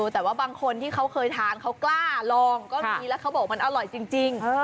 แต่ว่าบางคนที่เขาเคยทานเขากล้าลองก็มีแล้วเขาบอกมันอร่อยจริง